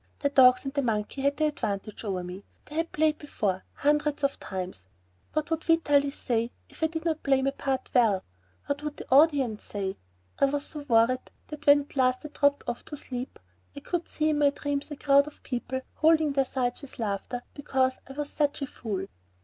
The dogs and the monkey had the advantage over me, they had played before, hundreds of times. What would Vitalis say if I did not play my part well? What would the audience say? I was so worried that, when at last I dropped off to sleep, I could see in my dreams a crowd of people holding their sides with laughter because I was such a fool.